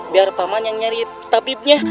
biar paman yang nyari tabibnya